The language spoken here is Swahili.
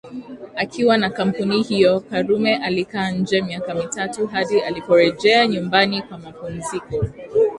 Akiwa na kampuni hiyo Karume alikaa nje miaka mitatu hadi aliporejea nyumbani kwa mapumziko